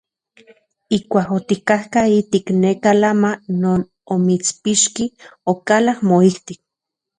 Ijkuak otikatka ijtik neka lama non omitspixki, okalak moijtik.